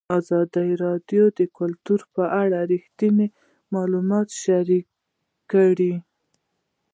ازادي راډیو د کلتور په اړه رښتیني معلومات شریک کړي.